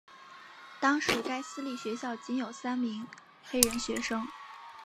当时该私立学校仅有三位黑人学生。